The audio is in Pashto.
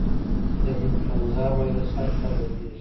د انفلوېنزا وایرس هر کال بدلېږي.